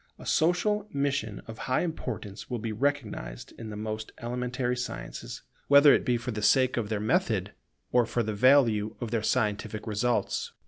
A social mission of high importance will be recognized in the most elementary sciences, whether it be for the sake of their method or for the value of their scientific results.